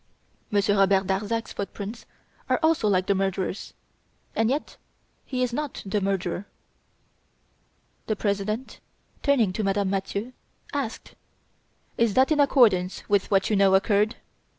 Monsieur Robert Darzac's footprints are also like the murderer's, and yet he is not the murderer!" The President turning to Madame Mathieu asked: "Is that in accordance with what you know occurred?"